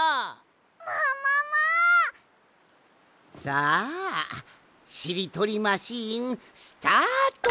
さあしりとりマシーンスタート！